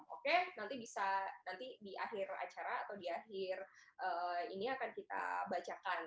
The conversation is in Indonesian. oke nanti bisa nanti di akhir acara atau di akhir ini akan kita bacakan